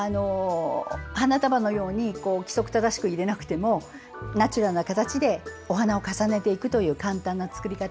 花束のように規則正しく入れなくてもナチュラルな形でお花を重ねていくという簡単な作り方。